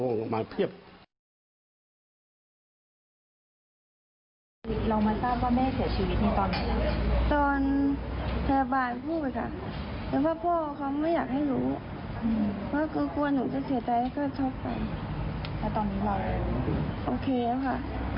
เรามาทราบว่าแม่เสียชีวิตตอนไหนตอนแทบอาร์ผู้ไปค่ะ